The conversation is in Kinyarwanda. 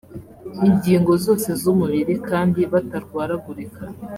ingingo zose z’umubiri kandi batarwaragurika